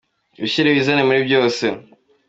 Wishyire wizane muri byose